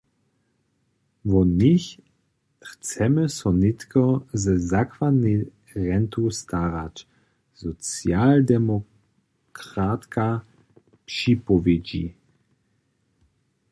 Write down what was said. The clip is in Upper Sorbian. Wo nich chcemy so nětko ze zakładnej rentu starać, socialdemokratka připowědźi.